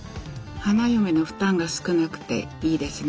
花嫁の負担が少なくていいですね。